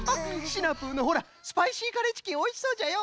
シナプーのほらスパイシーカレーチキンおいしそうじゃよ。